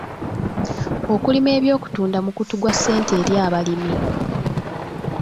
Okulima eby'okutunda mukutu gwa ssente eri abalimi.